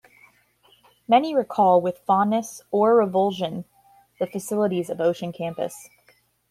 Many recall with fondness or revulsion the facilities of Ocean Campus.